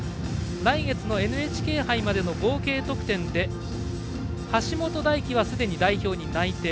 来月のＮＨＫ杯までの合計得点で橋本大輝はすでに代表に内定。